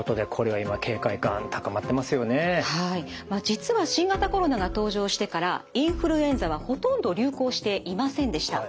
実は新型コロナが登場してからインフルエンザはほとんど流行していませんでした。